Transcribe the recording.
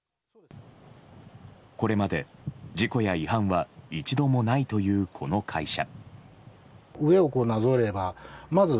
これまで事故や違反は一度もないというこの会社。